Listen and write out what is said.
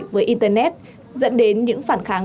với internet dẫn đến những phản kháng